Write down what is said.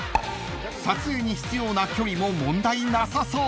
［撮影に必要な距離も問題なさそう］